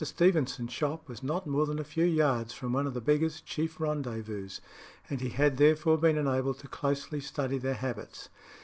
Stevenson's shop was not more than a few yards from one of the beggars' chief rendezvous, and he had therefore been enabled to closely study their habits.